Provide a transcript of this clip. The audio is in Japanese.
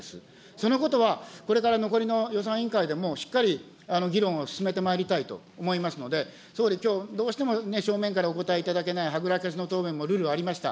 そのことはこれから残りの予算委員会でもしっかり議論を進めてまいりたいと思いますので、総理、きょう、どうしても正面からお答えいただけない、はぐらかしの答弁もるるありました。